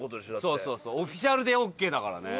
そうそうそうオフィシャルでオッケーだからね。